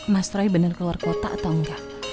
mas roy benar keluar kota atau enggak